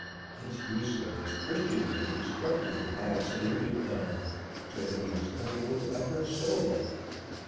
This use of his Christian name struck him absolutely dumb, so that he was unable to utter a syllable.